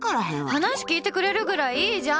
話聞いてくれるくらいいいじゃん！